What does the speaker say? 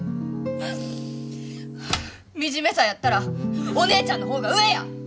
はあ惨めさやったらお姉ちゃんの方が上や！